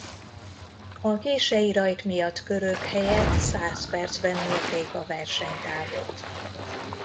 A kései rajt miatt körök helyett száz percben mérték a versenytávot.